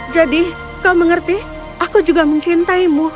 jadi kau mengerti aku juga mengcintaimu